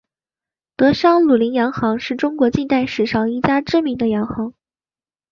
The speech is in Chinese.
德商鲁麟洋行是中国近代史上一家知名的洋行。